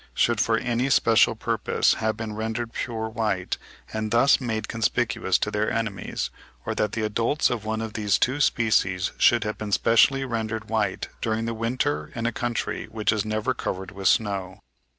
should for any special purpose have been rendered pure white and thus made conspicuous to their enemies; or that the adults of one of these two species should have been specially rendered white during the winter in a country which is never covered with snow.